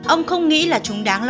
ông không nghĩ là chúng đáng lo nghiệp